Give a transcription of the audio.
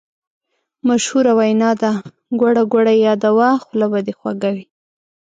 مشهوره وینا ده: ګوړه ګوړه یاده وه خوله به دې خوږه وي.